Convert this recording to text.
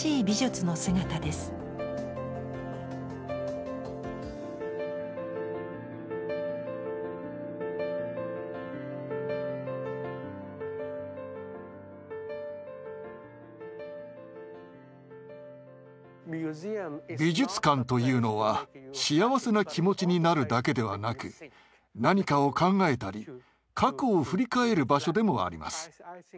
美術館というのは幸せな気持ちになるだけではなく何かを考えたり過去を振り返る場所でもあります。